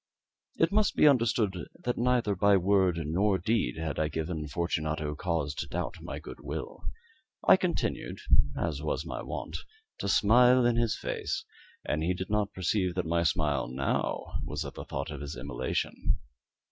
It must be understood that neither by word nor deed had I given Fortunato cause to doubt my good will. I continued, as was my wont, to smile in his face, and he did not perceive that my smile now was at the thought of his immolation.